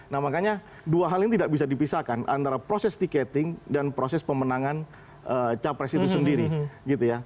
nah makanya dua hal ini tidak bisa dipisahkan antara proses tiketing dan proses pemenangan capres itu sendiri gitu ya